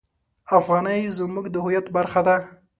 افغانۍ زموږ د هویت برخه ده.